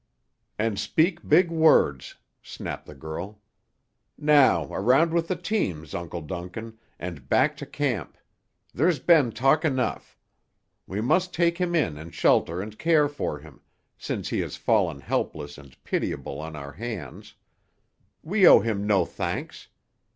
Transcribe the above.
"And speak big words," snapped the girl. "Now, around with the teams, Uncle Duncan, and back to camp. There's been talk enough. We must take him in and shelter and care for him, since he has fallen helpless and pitiable on our hands. We owe him no thanks.